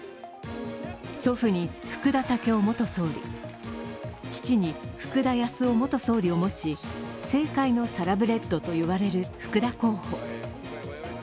祖父に福田赳夫元総理、父に福田康夫元総理を持ち政界のサラブレッドと言われる福田候補。